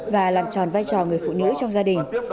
và làm tròn vai trò người phụ nữ trong gia đình